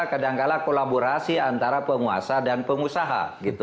kadangkala kolaborasi antara penguasa dan pengusaha